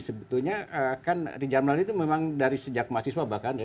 sebetulnya kan rijal melandai itu memang dari sejak mahasiswa bahkan ya